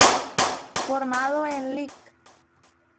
Formado en Lic.